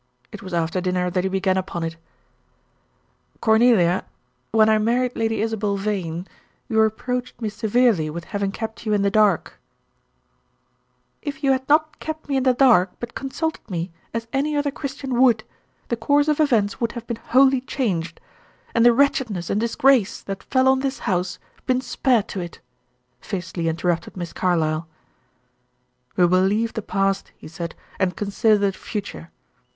It was after dinner that he began upon it. "Cornelia, when I married Lady Isabel Vane, you reproached me severely with having kept you in the dark " "If you had not kept me in the dark, but consulted me, as any other Christian would, the course of events would have been wholly changed, and the wretchedness and disgrace that fell on this house been spared to it," fiercely interrupted Miss Carlyle. "We will leave the past," he said, "and consider the future.